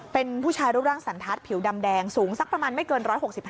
เป็นผู้ชายรูปร่างสันทัศน์ผิวดำแดงสูงสักประมาณไม่เกิน๑๖๕